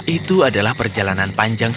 itu adalah perjalanan panjang sepuluh hari